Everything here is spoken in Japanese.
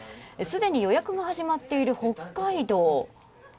すでに予約が始まっている北海道。